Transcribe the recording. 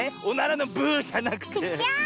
おならのブーじゃなくて。